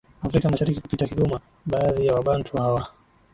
Afrika mashariki kupitia Kigoma Baadhi yawabantu hawa